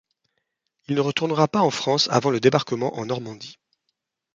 Il ne retournera pas en France avant le débarquement en Normandie.